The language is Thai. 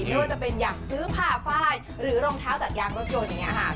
อยู่นี่ก็จะเป็นอยากซื้อพ่าฝ้ายหรือรองเท้าจากยางร่วมจนไปอย่างนี้